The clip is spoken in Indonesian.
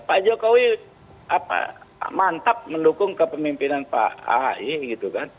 pak jokowi mantap mendukung kepemimpinan pak ahy gitu kan